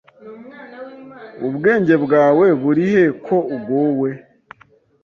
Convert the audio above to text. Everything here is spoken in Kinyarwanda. Ubwenge bwawe burihe ko ugowe ?